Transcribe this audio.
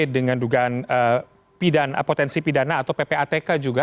dengan dugaan potensi pidana atau ppatk juga